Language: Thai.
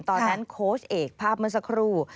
ตอนนั้นโค้ชเอกภาพมันสักครู่